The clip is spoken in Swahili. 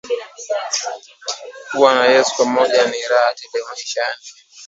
Kuwa na yesu pamoja ni raha tele maishani